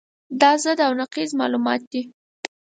دا ضد او نقیض معلومات دي.